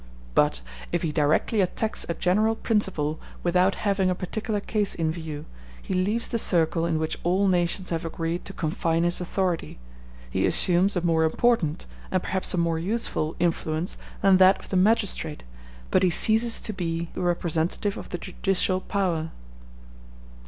But if he directly attacks a general principle without having a particular case in view, he leaves the circle in which all nations have agreed to confine his authority, he assumes a more important, and perhaps a more useful, influence than that of the magistrate, but he ceases to be a representative of the judicial power.